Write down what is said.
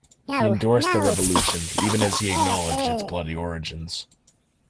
He endorsed the revolution even as he acknowledged its bloody origins.